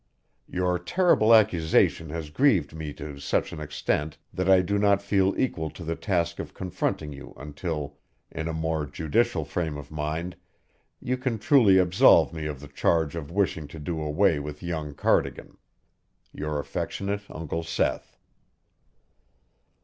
Your terrible accusation has grieved me to such an extent that I do not feel equal to the task of confronting you until, in a more judicial frame of mind, you can truly absolve me of the charge of wishing to do away with young Cardigan. Your affectionate Uncle Seth.